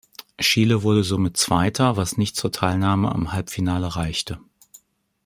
Chile wurde somit Zweiter, was nicht zur Teilnahme am Halbfinale reichte.